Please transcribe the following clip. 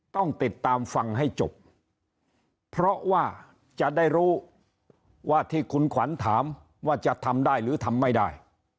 ต้องติดตามฟังให้จบเพราะว่าจะได้รู้ว่าที่คุณขวัญถามว่าจะทำได้หรือทำไม่ได้